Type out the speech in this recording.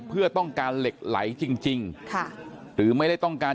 เพื่อต้องการเหล็กไหลจริงจริงค่ะหรือไม่ได้ต้องการ